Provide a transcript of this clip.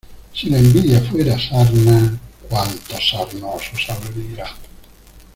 Si la envidia fuera sarna, cuantos sarnosos habría.